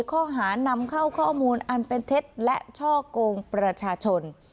ข้อหานำเข้าข้อมูลอันเป็นเท็จและช่อกงประชาชน